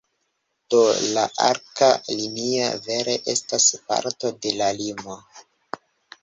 Do la arka linio vere estas parto de la limo.